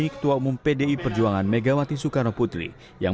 ketua umum pdi perjuangan megawati soekarno putri yang